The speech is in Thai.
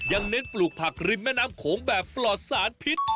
เน้นปลูกผักริมแม่น้ำโขงแบบปลอดสารพิษ